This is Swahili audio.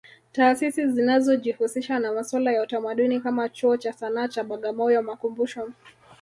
Taasisi zinazojihusisha na masuala ya utamaduni kama Chuo cha Sanaa cha Bagamoyo makumbusho